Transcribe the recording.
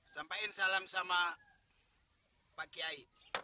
sampaikan salam sama pak kiai